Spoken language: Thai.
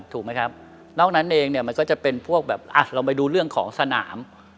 ถูกไหมครับนอกนั้นเองเนี่ยมันก็จะเป็นพวกแบบลองไปดูเรื่องของสนาม